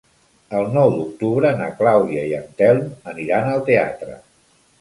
El nou d'octubre na Clàudia i en Telm aniran al teatre.